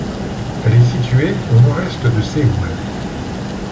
Elle est située au Nord-Est de Séoul.